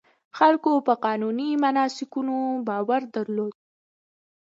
خلکو په قانوني مناسکونو باور درلود.